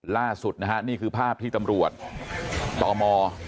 ล่าสุดนะฮะนี่คือภาพที่ตำรวจตม